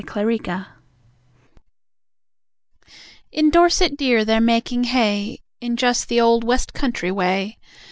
In Dorset Dear In Dorset Dear they're making hay In just the old West Country way.